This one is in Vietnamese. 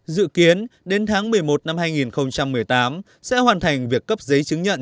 dự kiến đến tháng một mươi một năm hai nghìn một mươi tám sẽ hoàn thành việc cấp giấy chứng nhận